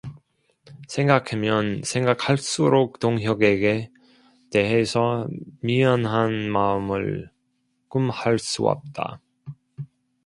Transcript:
생각하면 생각할수록 동혁에게 대해서 미안한 마음을 금할 수 없다.